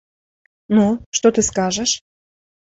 Ну, што ты скажаш?